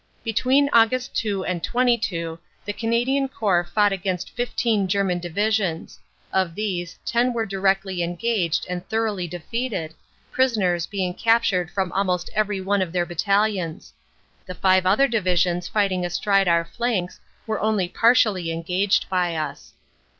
"Between Aug. 2 and 22 the Canadian Corps fought against 15 German Divisions; of these 10 were directly engaged and thoroughly defeated, prisoners being captured from almost every one of their battalions; the five other divisions fighting astride our flanks, were only partially engaged by us.